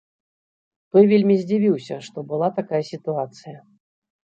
Той вельмі здзівіўся, што была такая сітуацыя.